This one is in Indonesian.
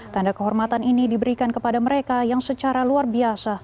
tanda kehormatan ini diberikan kepada mereka yang secara luar biasa